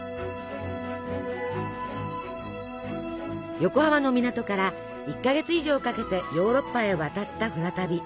横浜の港から１か月以上かけてヨーロッパへ渡った船旅。